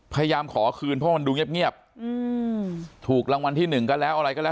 พยายามขอคืนเพราะมันดูเงียบถูกรางวัลที่หนึ่งก็แล้วอะไรก็แล้ว